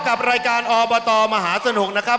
กับรายการอบตมหาสนุกนะครับ